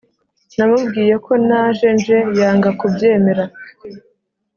Namubwiye ko naje nje yanga kubyemera